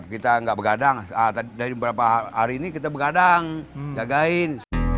kita enggak bergadang dari beberapa hari ini kita bergadang jagain